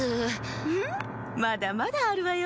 フフフまだまだあるわよ。